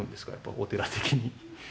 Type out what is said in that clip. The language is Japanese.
お寺的に。